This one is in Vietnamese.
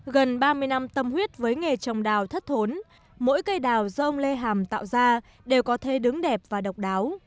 gần ba mươi năm tâm huyết với nghề trồng đào thất thốn mỗi cây đào do ông lê hàm tạo ra đều có thế đứng đẹp và độc đáo